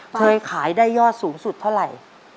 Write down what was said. เคยขายได้ยอดสูงสุดเท่าไหร่